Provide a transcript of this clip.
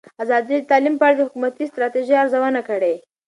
ازادي راډیو د تعلیم په اړه د حکومتي ستراتیژۍ ارزونه کړې.